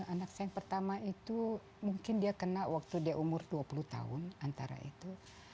anak saya yang pertama itu mungkin dia kena waktu dia umur dua puluh tahun antara itu